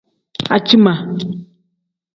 Aciima.